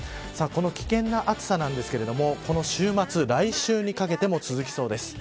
この危険な暑さですが来週にかけても続きそうです。